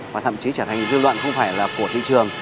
và thậm chí trở thành dư luận không phải là của thị trường